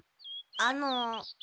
あの。